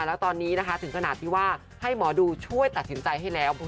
แล้วตอนนี้นะคะถึงขนาดที่ว่าให้หมอดูช่วยตัดสินใจให้แล้ว